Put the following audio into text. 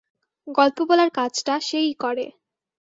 গল্প বলার কাজটা সে-ই করে।